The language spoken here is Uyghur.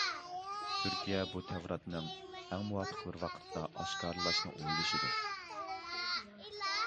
تۈركىيە بۇ تەۋراتنىڭ ئەڭ مۇۋاپىق بىر ۋاقىتتا ئاشكارىلاشنى ئويلىشىدۇ.